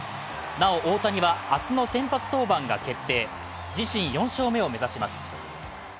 なお、大谷は明日の先発登板が決定自身４勝目を目指します。